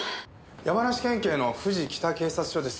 山梨県警の富士北警察署です。